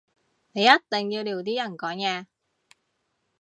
你一定要撩啲人講嘢